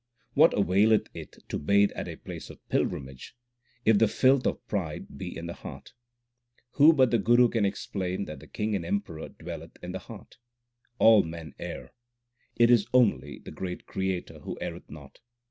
What availeth it to bathe at a place of pilgrimage, if the filth of pride be in the heart ? Who but the Guru can explain that the King and Emperor dwelleth in the heart ? All men err ; it is only the great Creator who erreth not.